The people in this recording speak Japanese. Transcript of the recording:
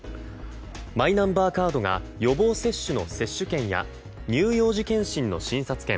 マイナンバーカードが予防接種の接種券や乳幼児健診の診察券